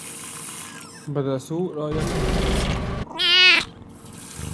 بدا سوء رأيك في مشهدي